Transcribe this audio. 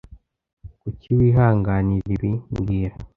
Kuki wihanganira ibi mbwira